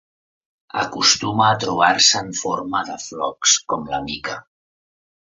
Acostuma a trobar-se en forma de flocs, com la mica.